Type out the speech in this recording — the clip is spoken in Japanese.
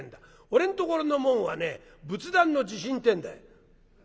俺んところの紋はね仏壇の地震ってえんだよ」。